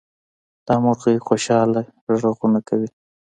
دا مرغۍ خوشحاله غږونه کوي.